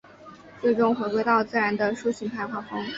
最终回归到自然的抒情派画风。